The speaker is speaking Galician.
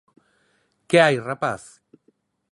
¿Que hai, rapaz?